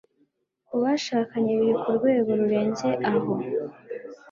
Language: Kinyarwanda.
ku bashakanye biri ku rwego rurenze aho